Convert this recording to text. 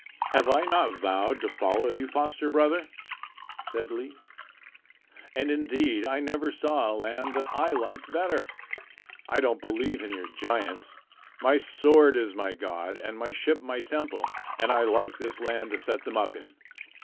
"Have I not vowed to follow you, foster brother?" said Leif. "And indeed I never saw a land that I liked better. I don't believe in your giants. My sword is my god, and my ship is my temple, and I like this land to set them up in."